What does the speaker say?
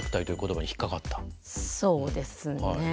そうですね。